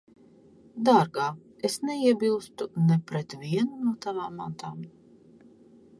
Dārgā, es neiebilstu ne pret vienu no tavām mantām.